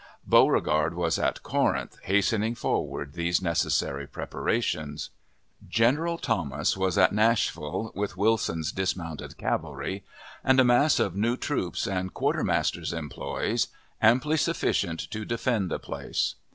Beauregard was at Corinth, hastening forward these necessary preparations. General Thomas was at Nashville, with Wilson's dismounted cavalry and a mass of new troops and quartermaster's employs amply sufficient to defend the place.